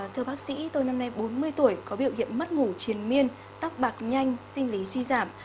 thưa bác sĩ tôi năm nay bốn mươi tuổi có biểu hiện mất ngủ triển miên tắc bạc nhanh sinh lý suy giảm